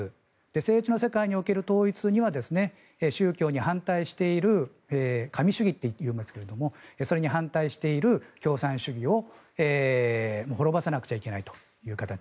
政治の世界における統一には宗教に反対しているそれに反対している共産主義を滅ぼさなくちゃいけないという形。